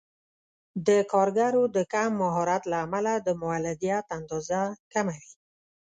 د کارګرو د کم مهارت له امله د مولدیت اندازه کمه وي.